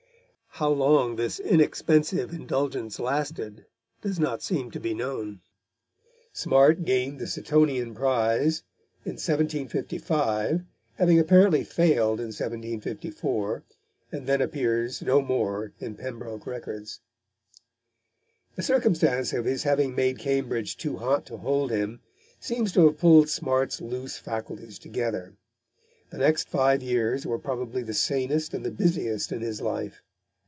How long this inexpensive indulgence lasted does not seem to be known. Smart gained the Seatonian prize in 1755, having apparently failed in 1754, and then appears no more in Pembroke records. The circumstance of his having made Cambridge too hot to hold him seems to have pulled Smart's loose faculties together. The next five years were probably the sanest and the busiest in his life.